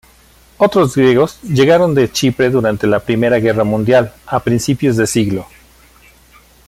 Otros griegos llegaron de Chipre durante la Primera Guerra Mundial a principios de siglo.